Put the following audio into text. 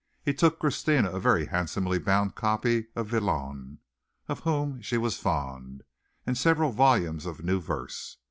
He took Christina a very handsomely bound copy of Villon, of whom she was fond, and several volumes of new verse.